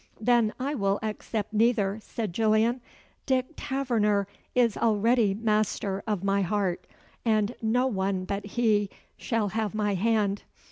"Then I will accept neither," said Gillian. "Dick Taverner is already master of my heart, and no one but he shall have my hand.